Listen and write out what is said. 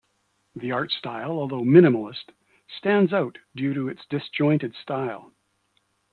The art style, although minimalist, stands out due to its disjointed style.